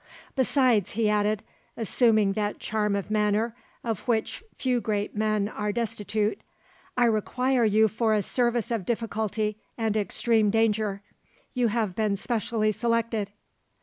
"Besides," he added, assuming that charm of manner of which few great men are destitute, "I require you for a service of difficulty and extreme danger. You have been specially selected."